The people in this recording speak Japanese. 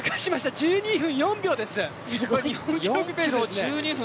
１２分４秒です。